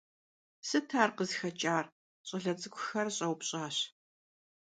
Sıt ar khızıxeç'ar? - ş'ale ts'ık'uxer ş'eupş'aş.